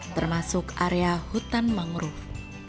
termasuk area hutan mangrove